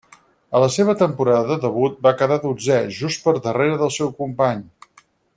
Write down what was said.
A la seva temporada de debut, va quedar dotzè just per darrere del seu company.